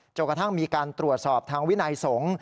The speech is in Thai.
กระทั่งมีการตรวจสอบทางวินัยสงฆ์